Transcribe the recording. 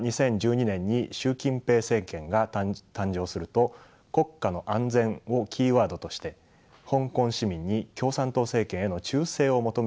２０１２年に習近平政権が誕生すると「国家の安全」をキーワードとして香港市民に共産党政権への忠誠を求める方針を強めました。